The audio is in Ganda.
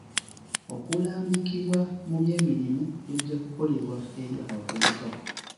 Okulambikibwa mu by'emirimu kujja kukolebwa eri abavubuka.